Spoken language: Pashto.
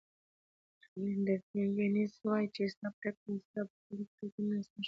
توني روبینز وایي چې ستا پریکړې ستا برخلیک ټاکي نه ستا شرایط.